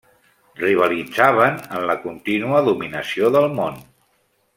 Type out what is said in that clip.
Rivalitzaven en la contínua dominació del món.